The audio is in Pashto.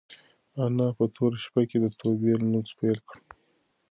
انا په توره شپه کې د توبې لمونځ پیل کړ.